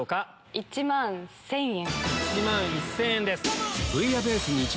１万１０００円。